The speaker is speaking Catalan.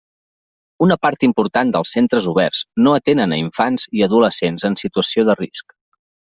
Una part important dels centres oberts no atenen a infants i adolescents en situació de risc.